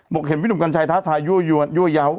บอกเห็นพี่หนุ่มกัญชัยท้าทายุ้วยาว